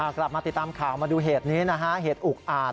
กลับมาติดตามข่าวมาดูเหตุนี้นะฮะเหตุอุกอาจ